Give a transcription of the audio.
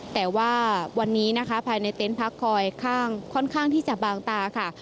แต่ว่าวันนี้นะคะภายในเต็นต์พักคอยค่อนข้างที่จะบางตาค่ะ